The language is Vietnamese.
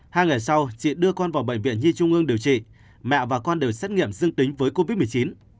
hai ngày sau chị đưa con vào bệnh viện nhi trung ương điều trị mẹ và con đều xét nghiệm dương tính với covid một mươi chín